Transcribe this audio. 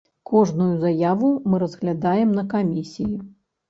Кожную заяву мы разглядаем на камісіі.